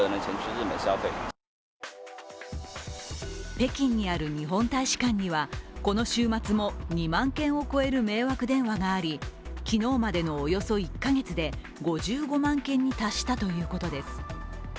北京にある日本大使館にはこの週末も２万件を超える迷惑電話があり昨日までのおよそ１か月で５５万件に達したということです。